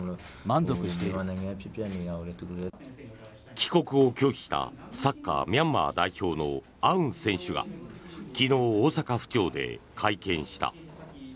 帰国を拒否したサッカー、ミャンマー代表のアウン選手が昨日、大阪府庁で会見した。